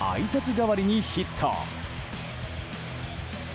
代わりにヒット。